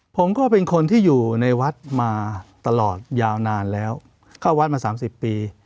ผมก็เป็นคนที่อยู่ในวัดมาตลอดยาวนานแล้วเข้าวัดมา๓๐ปี